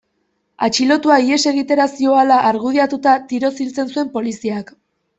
Atxilotua ihes egitera zihoala argudiatuta, tiroz hiltzen zuen poliziak.